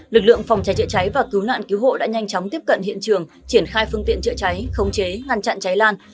lực lượng phòng cháy chữa cháy và cứu nạn cứu hộ đã nhanh chóng tiếp cận hiện trường triển khai phương tiện chữa cháy khống chế ngăn chặn cháy lan